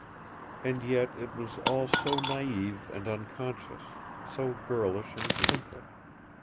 And yet it was all so naive and unconscious; so girlish and simple.